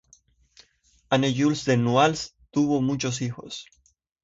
Anne Jules de Noailles tuvo muchos hijos